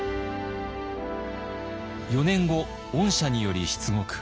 ４年後恩赦により出獄。